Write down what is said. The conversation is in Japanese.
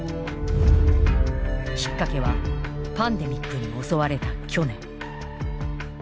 きっかけはパンデミックに襲われた去年。